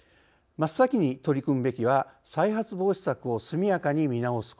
真っ先に取り組むべきは再発防止策を速やかに見直すことです。